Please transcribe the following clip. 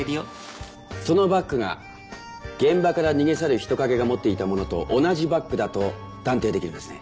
そのバッグが現場から逃げ去る人影が持っていたものと同じバッグだと断定出来るんですね？